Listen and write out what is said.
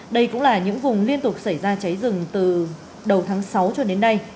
đây cũng là những vùng liên tục xảy ra cháy rừng từ đầu tháng sáu cho đến nay